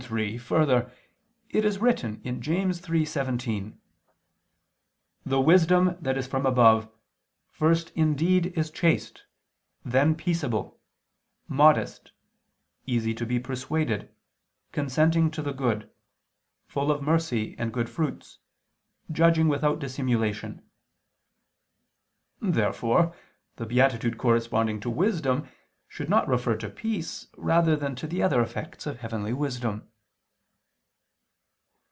3: Further, it is written (James 3:17): "The wisdom, that is from above, first indeed is chaste, then peaceable, modest, easy to be persuaded, consenting to the good, full of mercy and good fruits, judging without dissimulation [*Vulg.: 'without judging, without dissimulation']." Therefore the beatitude corresponding to wisdom should not refer to peace rather than to the other effects of heavenly wisdom.